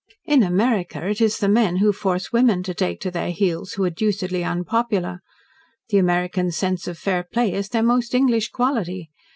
In America it is the men who force women to take to their heels who are deucedly unpopular. The Americans' sense of fair play is their most English quality.